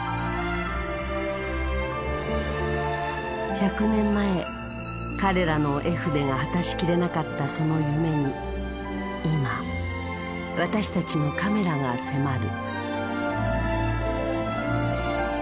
１００年前彼らの絵筆が果たしきれなかったその夢に今私たちのカメラが迫る。